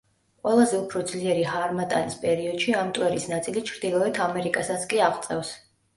ყველაზე უფრო ძლიერი ჰარმატანის პერიოდებში ამ მტვერის ნაწილი ჩრდილოეთ ამერიკასაც კი აღწევს.